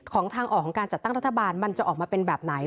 ทางออกของการจัดตั้งรัฐบาลมันจะออกมาเป็นแบบไหน